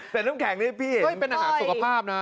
แต่น้ำแข็งนี่พี่เห็นเป็นอาหารสุขภาพนะ